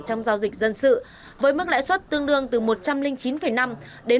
trong giao dịch dân sự với mức lãi suất tương đương từ một trăm linh chín năm đến một trăm tám mươi hai năm trên năm